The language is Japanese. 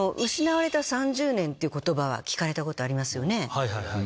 はいはいはい。